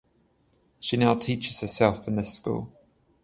She now teaches herself in this school.